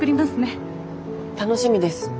楽しみです。